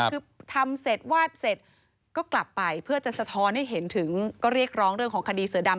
คือทำเสร็จวาดเสร็จก็กลับไปเพื่อจะสะท้อนให้เห็นถึงก็เรียกร้องเรื่องของคดีเสือดำ